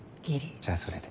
じゃあそれで。